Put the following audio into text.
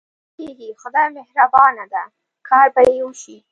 کېږي، خدای مهربانه دی، کار به یې وشي.